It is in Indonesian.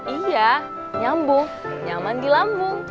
iya nyambung nyaman di lambung